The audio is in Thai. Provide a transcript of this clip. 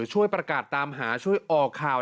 ช่วยประกาศตามหาช่วยออกข่าว